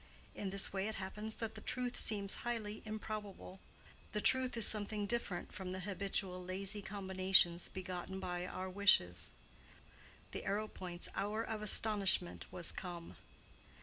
In this way it happens that the truth seems highly improbable. The truth is something different from the habitual lazy combinations begotten by our wishes. The Arrowpoints' hour of astonishment was come.